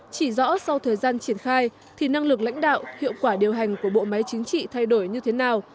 chỉ rõ sau thời gian triển khai thì năng lực lãnh đạo hiệu quả điều hành của bộ máy chính trị thay đổi như thế nào